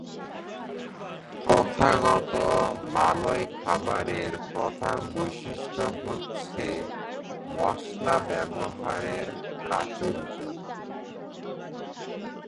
প্রথাগত মালয় খাবারের প্রধান বৈশিষ্ট্য হচ্ছে মশলা ব্যবহারের প্রাচুর্য।